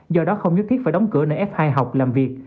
do đó không nhất thiết phải đóng cửa nơi f hai học làm việc